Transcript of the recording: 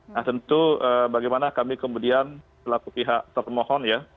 nah tentu bagaimana kami kemudian selaku pihak termohon ya